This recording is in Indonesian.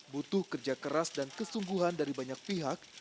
butuh kerja keras dan kesungguhan dari banyak pihak